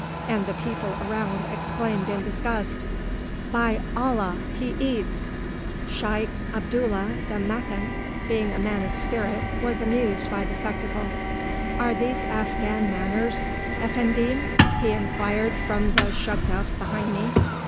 and the people around exclaimed in disgust, "By Allah! he eats!" Shaykh Abdullah, the Meccan, being a man of spirit, was amused by the spectacle. "Are these Afghan manners, Effendim?" he inquired from the shugduf behind me.